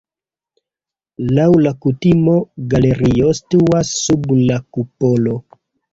Laŭ la kutimo galerio situas sub la kupolo.